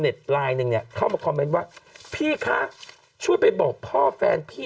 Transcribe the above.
เน็ตลายหนึ่งเนี้ยเข้ามาว่าพี่คะช่วยไปบอกพ่อแฟนพี่